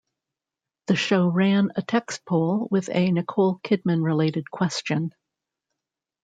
The show ran a text poll with a Nicole Kidman related question.